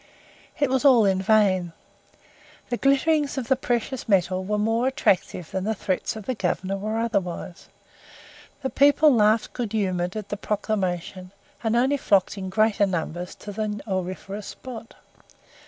It was all in vain. The glitterings of the precious metal were more attractive than the threats of the Governor were otherwise. The people laughed good humoured at the proclamation, and only flocked in greater numbers to the auriferous spot.